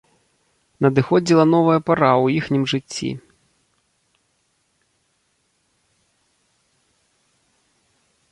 Надыходзіла новая пара ў іхнім жыцці.